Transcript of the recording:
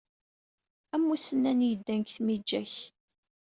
Am usennan yeddan deg tmiǧa-k.